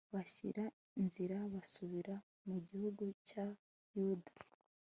bashyira nzira basubira mu gihugu cya yuda